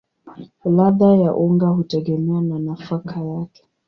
Ladha ya unga hutegemea na nafaka yake.